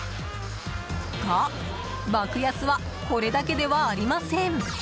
が、爆安はこれだけではありません。